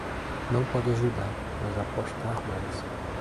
Não pode ajudar, mas apostar mais